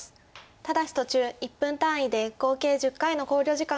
ただし途中１分単位で合計１０回の考慮時間がございます。